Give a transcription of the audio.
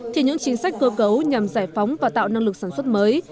thì những chính sách cơ cấu nhằm giải phóng và tạo năng lực sản xuất mới